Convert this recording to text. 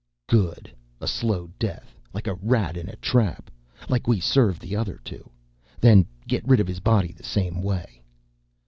"Good. A slow death, like a rat in a trap like we served the other two. Then get rid of his body the same way."